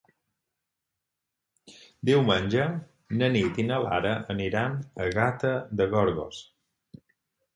Diumenge na Nit i na Lara aniran a Gata de Gorgos.